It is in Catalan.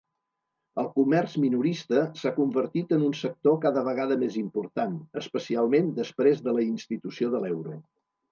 El comerç minorista s'ha convertit en un sector cada vegada més important, especialment després de la institució de l'euro.